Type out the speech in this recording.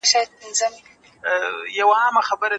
کمپيوټر حل لاره وړاندي کوي.